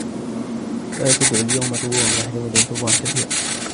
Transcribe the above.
لَا تَدْعُوا الْيَوْمَ ثُبُورًا وَاحِدًا وَادْعُوا ثُبُورًا كَثِيرًا